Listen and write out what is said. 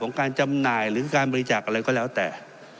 การจำหน่ายหรือการบริจาคอะไรก็แล้วแต่